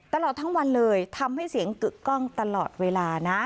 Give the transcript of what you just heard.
ตลอดทั้งวันเลยทำให้เสียงกึกกล้องตลอดเวลานะ